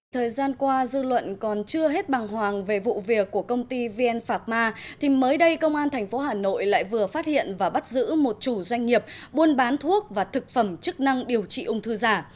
thời gian qua dư luận còn chưa hết bằng hoàng về vụ việc của công ty vn phạc ma thì mới đây công an tp hà nội lại vừa phát hiện và bắt giữ một chủ doanh nghiệp buôn bán thuốc và thực phẩm chức năng điều trị ung thư giả